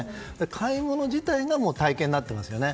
買い物自体が体験になっていますね。